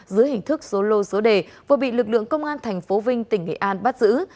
dưới hình thức số lô số đề vừa bị lực lượng công an thành phố vinh tỉnh nghệ an bắt giữ